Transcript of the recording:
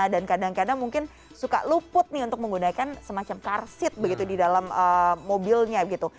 dan kadang kadang mungkin suka luput nih untuk menggunakan semacam karsit begitu di dalam mobilnya gitu